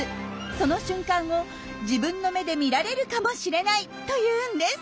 その瞬間を自分の目で見られるかもしれないというんです！